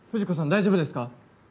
大丈夫ですか？